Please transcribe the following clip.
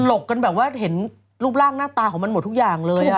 หกกันแบบว่าเห็นรูปร่างหน้าตาของมันหมดทุกอย่างเลย